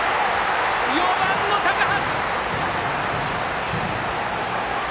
４番の高橋！